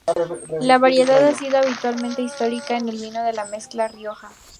La variedad ha sido habitual históricamente en el vino de mezcla de Rioja.